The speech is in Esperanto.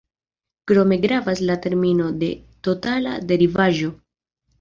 Krome gravas la termino de totala derivaĵo.